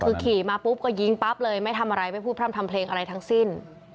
คือขี่มาปุ๊บก็ยิงปั๊บเลยไม่ทำอะไรไม่พูดพร่ำทำเพลงอะไรทั้งสิ้น